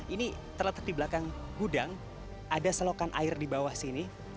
ini terletak di belakang gudang ada selokan air di bawah sini